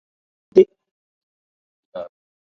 Mɛn nmyɔ̂n égo ńdu ló yankan-khúthé.